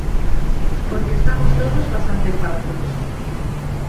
Porque estamos todos bastante fartos.